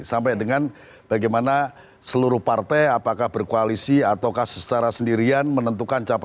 sampai dengan bagaimana seluruh partai apakah berkoalisi ataukah secara sendirian menentukan capres